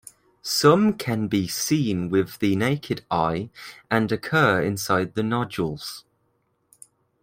Some can be seen with the naked eye and occur inside the nodules.